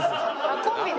コンビで？